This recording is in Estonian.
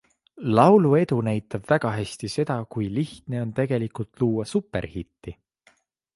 Laulu edu näitab väga hästi seda, kui lihtne on tegelikult luua superhitti.